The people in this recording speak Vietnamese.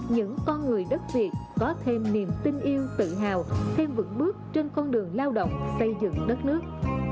những con người đất việt có thêm niềm tin yêu tự hào thêm vững bước trên con đường lao động xây dựng đất nước